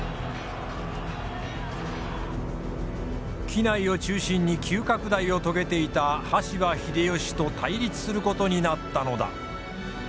畿内を中心に急拡大を遂げていた羽柴秀吉と対立することになったのだ。